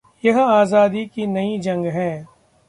यह आजादी की नई जंग है